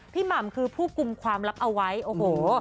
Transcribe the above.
หม่ำคือผู้กลุ่มความลับเอาไว้โอ้โห